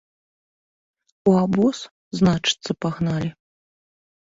У абоз, значыцца, пагналі.